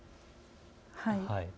はい。